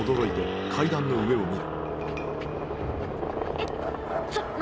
えっちょっと何？